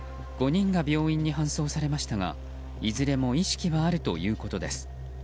５人が病院に搬送されましたがいずれも意識はあるということです。